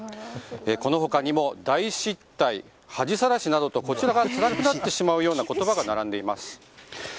この他にも大失態恥さらしなどとこちらがつらくなってしまうような言葉が並んでいます。